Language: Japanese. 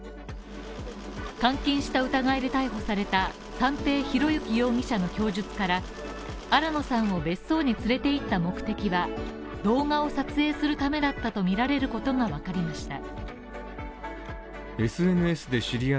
監禁した疑いで逮捕された三瓶博幸容疑者の供述から新野さんを別荘に連れていった目的は動画を撮影するためだったとみられることがわかりました。